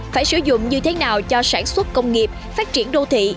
phải sử dụng như thế nào cho sản xuất công nghiệp phát triển đô thị